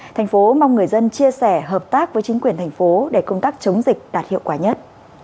tp mong người dân chia sẻ hợp tác với chính quyền tp để công tác chống dịch đạt hiệu quả nhất